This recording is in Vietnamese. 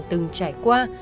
từng trải qua